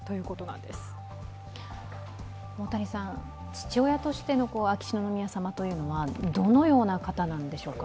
父親としての秋篠宮さまというのは、どのような方なんでしょうか？